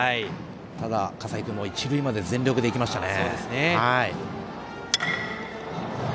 ただ、笠井君も一塁まで全力で行きましたね。